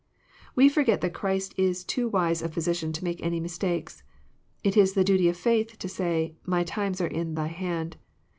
We forget that Christ is too wise a Physician to make any mistakes. It is the duty of faith to say, ^'lUy times are in Thy hand.